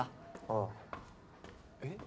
ああえっ？